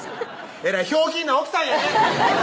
えらいひょうきんな奥さんやね！